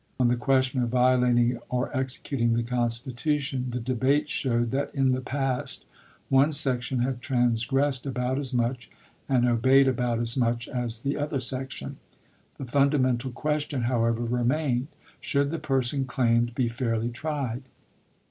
On the question of violat ing or executing the Constitution, the debates showed that in the past one section had trans gressed about as much and obeyed about as much as the other section. The fundamental question, however, remained. Should the person claimed be fairly tried?